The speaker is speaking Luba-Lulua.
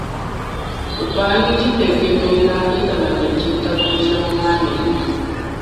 Kupangi ditekemena ikala ne ditabuja muanetu.